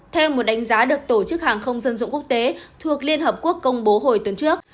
theo một đánh giá được tổ chức hàng không dân dụng quốc tế thuộc liên hợp quốc công bố hồi tuần trước